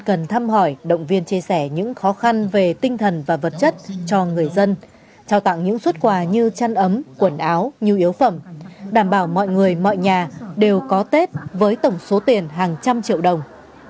cần thăm hỏi động viên chia sẻ những khó khăn về tinh thần và vật chất cho người dân trao tặng những xuất quà như chăn ấm quần áo nhu yếu phẩm đảm bảo mọi người mọi nhà đều có tết với tổng số tiền hàng trăm triệu đồng